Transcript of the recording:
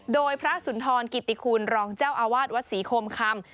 โดยพระสุนทรกิติคุณรองเจ้าอาวาสวัดศรีโคมคำ